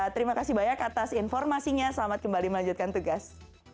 terima kasih banyak atas informasinya selamat kembali melanjutkan tugas